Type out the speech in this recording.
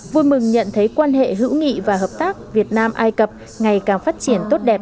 vui mừng nhận thấy quan hệ hữu nghị và hợp tác việt nam ai cập ngày càng phát triển tốt đẹp